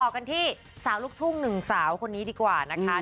กันที่สาวลูกทุ่งหนึ่งสาวคนนี้ดีกว่านะคะ